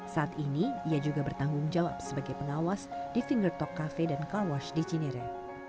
saat ini ia juga bertanggung jawab sebagai pengawas di finger talk cafe dan car wash di cinere